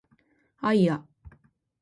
あいあ